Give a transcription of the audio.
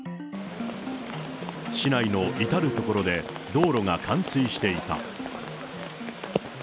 市内の至る所で道路が冠水していた。